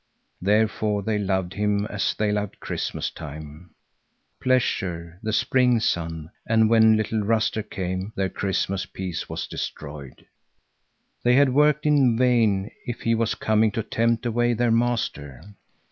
Therefore they loved him as they loved Christmas time, pleasure, the spring sun. And when little Ruster came, their Christmas peace was destroyed. They had worked in vain if he was coming to tempt away their master.